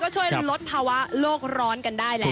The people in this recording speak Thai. ช่วยลดภาวะโลกร้อนกันได้แล้ว